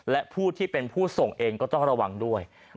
และผู้ที่เป็นผู้ส่งเองก็ต้องระวังด้วย